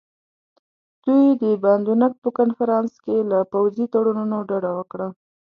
دوی د باندونک په کنفرانس کې له پوځي تړونونو ډډه وکړه.